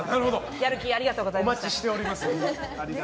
やる気、ありがとうございます。